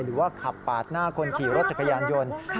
หรือว่าขับปาดหน้าคนขี่รถจักรยานยนต์